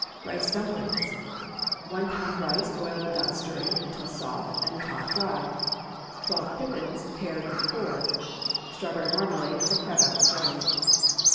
RICE DUMPLINGS. ✠ 1 lb. rice boiled without stirring, until soft, and at the top dry. 12 pippins, pared and cored. Strawberry marmalade or crab apple jelly.